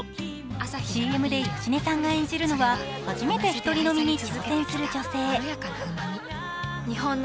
ＣＭで芳根さんが演じるのは初めて一人飲みに挑戦する女性。